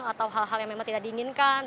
atau hal hal yang memang tidak diinginkan